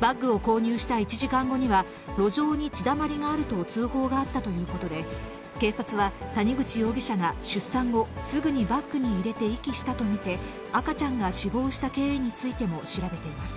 バッグを購入した１時間後には、路上に血だまりがあると通報があったということで、警察は、谷口容疑者が出産後、すぐにバッグに入れて遺棄したと見て、赤ちゃんが死亡した経緯についても調べています。